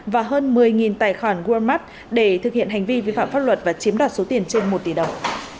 và hơn một mươi tài khoản walmart để thực hiện hành vi vi phạm pháp luật và chiếm đoạt số tiền trên một tỷ đồng